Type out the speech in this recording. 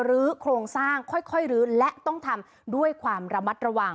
โครงสร้างค่อยลื้อและต้องทำด้วยความระมัดระวัง